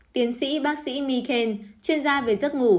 tiến sĩ bác sĩ mi ken chuyên gia về giấc ngủ